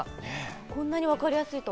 こんなにわかりやすいとは。